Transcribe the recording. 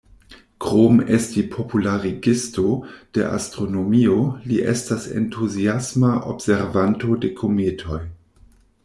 Krom esti popularigisto de astronomio, li estas entuziasma observanto de kometoj.